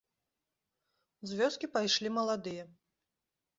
З вёскі пайшлі маладыя.